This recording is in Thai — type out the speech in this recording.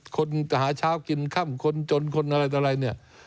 คนหาเช้ากินข้ำคนจนคนอะไรเนี่ย